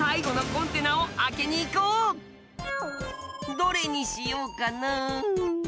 どれにしようかな。